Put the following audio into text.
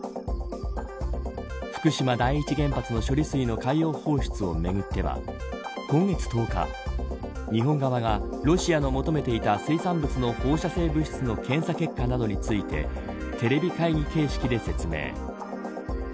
福島第一原発の処理水の海洋放出をめぐっては今月１０日日本側が、ロシアの求めていた水産物の放射性物質の検査結果などについてテレビ会議形式で説明。